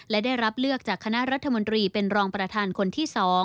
และได้รับเลือกจากคณะรัฐมนตรีเป็นรองประธานคนที่๒